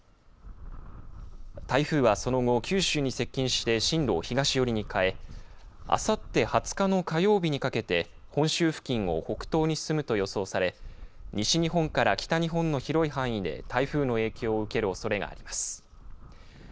台風は、その後九州に接近して進路を東寄りに変えあさって２０日の火曜日にかけて本州付近を北東に進むと予想され西日本から北日本の広い範囲で台風の影響を受けるおそれがあります。